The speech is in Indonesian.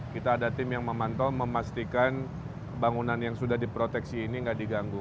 kita ada tim yang memantau memastikan bangunan yang sudah diproteksi ini tidak diganggu